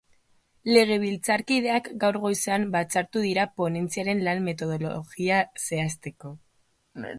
Legebiltzarkideak gaur goizean batzartu dira ponentziaren lan metodologia zehazteko.